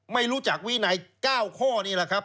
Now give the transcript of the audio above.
ไม่รู้จักวินัย๙ข้อนี่แหละครับ